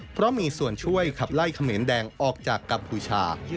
เพราะมีส่วนช่วยขับไล่เขมรแดงออกจากกัมพูชา